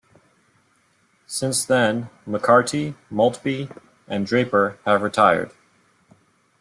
Since then, McCarty, Maltby and Draper have retired.